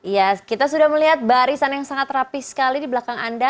ya kita sudah melihat barisan yang sangat rapi sekali di belakang anda